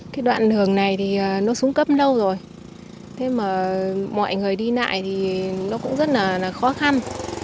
cái đoạn đường này thì nó xuống cấp lâu rồi thế mà mọi người đi lại thì nó cũng rất là khó khăn